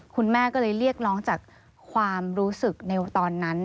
คุณแม่ก็เลยเรียกร้องจากความรู้สึกในตอนนั้น